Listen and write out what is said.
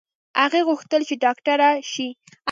هغې غوښتل چې ډاکټره شي